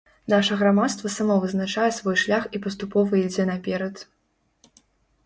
Наша грамадства само вызначае свой шлях і паступова ідзе наперад.